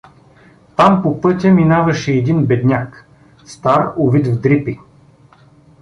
Там по пътя минаваше един бедняк, стар, увит в дрипи.